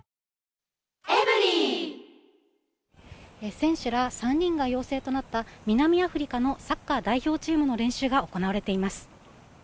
選手ら３人が陽性となった、南アフリカのサッカー代表チームの練習が行われています。